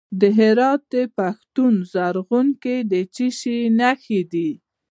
د هرات په پښتون زرغون کې د څه شي نښې دي؟